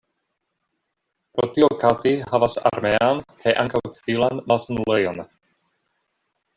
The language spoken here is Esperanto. Pro tio Kati havas armean kaj ankaŭ civilan malsanulejon.